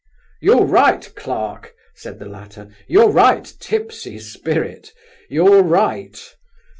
"You're right, clerk," said the latter, "you're right, tipsy spirit—you're right!